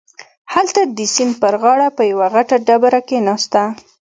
هلته د سيند پر غاړه په يوه غټه ډبره کښېناسته.